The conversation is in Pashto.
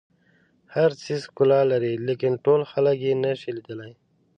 هر څیز ښکلا لري لیکن ټول خلک یې نه شي لیدلی.